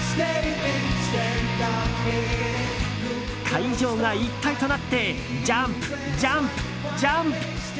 会場が一体となってジャンプ、ジャンプ、ジャンプ！